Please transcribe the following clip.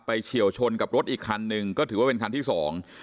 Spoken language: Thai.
เฉียวชนกับรถอีกคันหนึ่งก็ถือว่าเป็นคันที่สอง